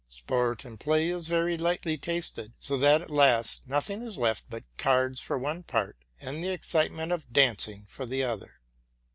Sport and play is very lightly tasted ; so that at last nothing is left but cards for one part, and the excitement of dancing for the other."